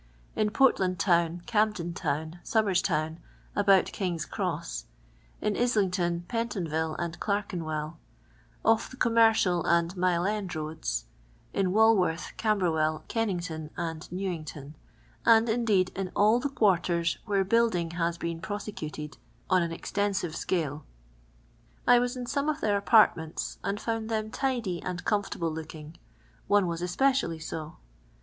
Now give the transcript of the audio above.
in PortUmd town, Camden town, Somers town, about King's cross ; in Islington, Pentonville, and Clerkenwell ; off the Commercial and Mile end roads; in Walworth, Camber well, Kennington, and New ington; and, indeed, in all the quarters where building has been prosecuted on an extensive 296 LONDON LABOUR AND TEE LONDON POOR. tcnie. I iv ni in aonie of thrir npnrtmentt, and ' found them tid\ and comfnrubli iookiii;;: one was , especially go.